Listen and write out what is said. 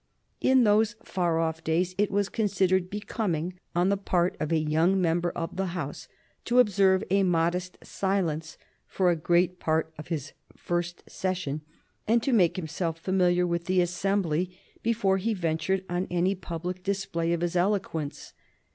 In those far off days it was considered becoming on the part of a young member of the House to observe a modest silence for a great part of his first session, and to make himself familiar with the assembly before he ventured on any public display of his eloquence.